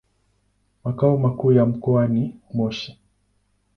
Makao makuu ya mkoa huu ni Moshi.